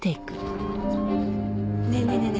ねえねえねえねえ